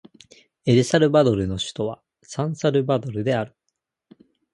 エルサルバドルの首都はサンサルバドルである